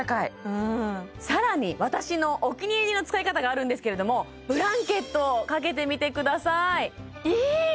更に私のお気に入りの使い方があるんですけれどもブランケットを掛けてみてくださいいい！